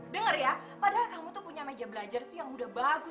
dengar ya padahal kamu tuh punya meja belajar tuh yang udah bagus